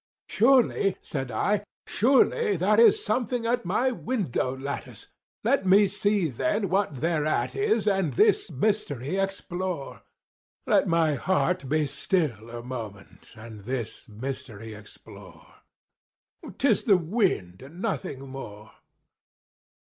"Surely," said I, "surely that is something at my window lattice; Let me see, then, what thereat is, and this mystery explore— Let my heart be still a moment and this mystery explore;— 'Tis the wind and nothing more!"